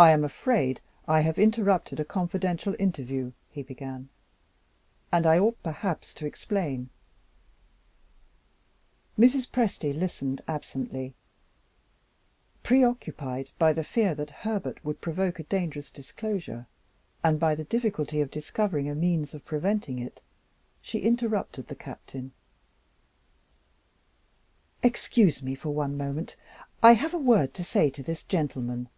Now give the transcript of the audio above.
"I am afraid I have interrupted a confidential interview," he began; "and I ought perhaps to explain " Mrs. Presty listened absently; preoccupied by the fear that Herbert would provoke a dangerous disclosure, and by the difficulty of discovering a means of preventing it. She interrupted the Captain. "Excuse me for one moment; I have a word to say to this gentleman."